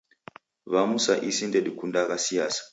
W'amu sa isi ndedikundagha siasa.